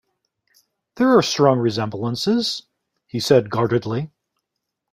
"There are strong resemblances," he said guardedly.